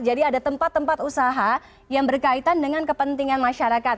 jadi ada tempat tempat usaha yang berkaitan dengan kepentingan masyarakat